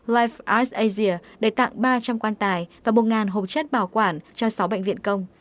life arts asia đã tặng ba trăm linh quan tài và một hộp chất bảo quản cho sáu bệnh viện công